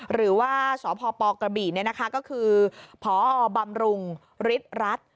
หรือว่าสพปกระบี่ก็คือพอบำรุงฤทธิ์รัฐ